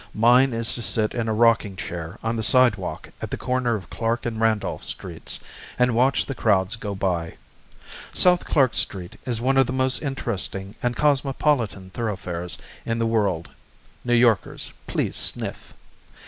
Mine is to sit in a rocking chair on the sidewalk at the corner of Clark and Randolph Streets, and watch the crowds go by. South Clark Street is one of the most interesting and cosmopolitan thoroughfares in the world (New Yorkers please sniff).